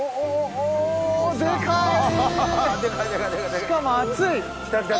しかも厚い。